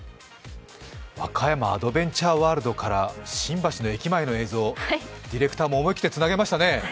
和歌山アドベンチャーワールドから新橋の駅前の映像、ディレクターも思い切ってつなげましたね。